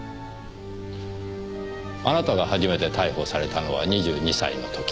あなたが初めて逮捕されたのは２２歳の時。